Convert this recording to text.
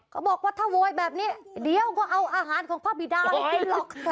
เขาบอกว่าถ้าโวยแบบนี้เดี๋ยวก็เอาอาหารของพระบิดาไปกินหรอก